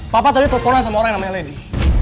papa tadi telfonan sama orang namanya lady